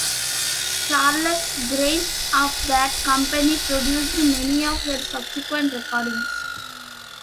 Charles Grean of that company produced many of her subsequent recordings.